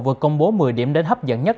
vừa công bố một mươi điểm đến hấp dẫn nhất